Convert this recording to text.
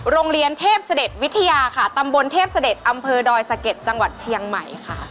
โรงเรียนเทพเสด็จวิทยาค่ะตำบลเทพเสด็จอำเภอดอยสะเก็ดจังหวัดเชียงใหม่ค่ะ